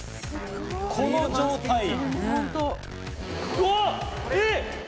この状態。